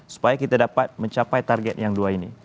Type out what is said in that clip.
supaya kita dapat mencapai target yang dua ini